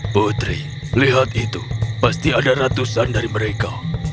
putri lihat itu pasti ada ratusan dari mereka